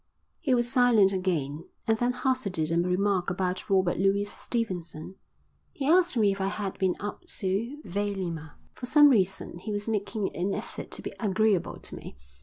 He was silent again, and then hazarded a remark about Robert Louis Stevenson. He asked me if I had been up to Vailima. For some reason he was making an effort to be agreeable to me.